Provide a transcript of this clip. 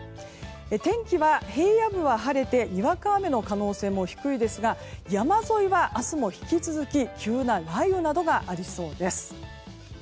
天気は、平野部は晴れてにわか雨の可能性も低いですが、山沿いは明日も引き続き急な雷雨などがありそうです。